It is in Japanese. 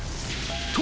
［と］